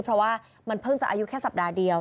เพราะว่ามันเพิ่งจะอายุแค่สัปดาห์เดียว